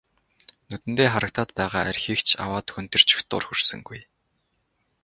Нүдэндээ харагдаад байгаа архийг ч аваад хөнтөрчих дур хүрсэнгүй.